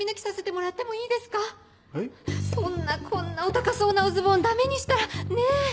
そんなこんなお高そうなおズボンダメにしたらねぇ。